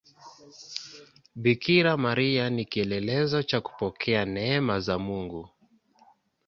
Bikira Maria ni kielelezo cha kupokea neema za Mungu.